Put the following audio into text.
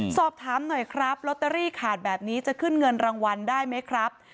สอบถามหน่อยครับลอตเตอรี่ขาดแบบนี้จะขึ้นเงินรางวัลได้ไหมครับ